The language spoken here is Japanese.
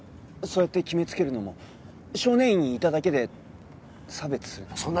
そうやって決めつけるのも少年院にいただけで差別するのも。